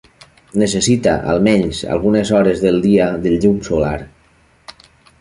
Necessita almenys algunes hores del dia de llum solar.